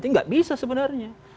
ini nggak bisa sebenarnya